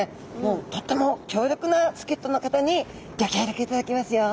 とっても強力な助っ人の方にギョ協力いただきますよ。